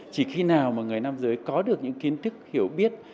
chỉ khi nào mà người nam giới có được những kiến thức hiểu biết